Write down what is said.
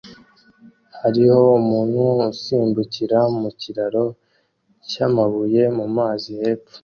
Hariho umuntu usimbukira mu kiraro cyamabuye mumazi hepfo